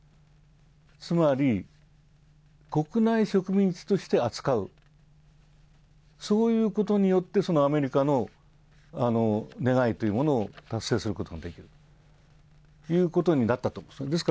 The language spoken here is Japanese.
つまり、国内植民地として扱う、そういうことによって、アメリカの願いというものを達成することができるということになったと思うんです。